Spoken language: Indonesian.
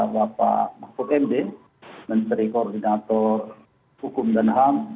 bapak mahfud md menteri koordinator hukum dan ham